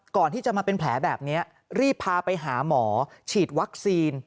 ก่อนที่จะมาเป็นแผลแบบนี้รีบพาไปหาหมอฉีดวัคซีน